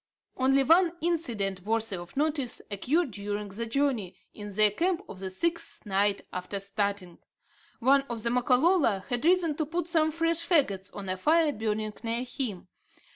Only one incident worthy of notice occurred during the journey, in their camp of the sixth night after starting. One of the Makololo had risen to put some fresh fagots on a fire burning near him.